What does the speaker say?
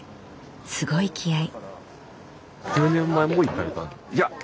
すごい気合い。